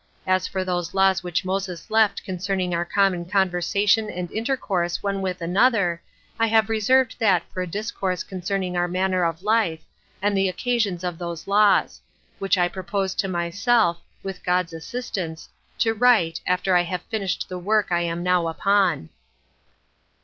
As for those laws which Moses left concerning our common conversation and intercourse one with another, I have reserved that for a discourse concerning our manner of life, and the occasions of those laws; which I propose to myself, with God's assistance, to write, after I have finished the work I am now upon.